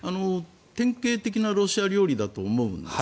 典型的なロシア料理だと思うんです。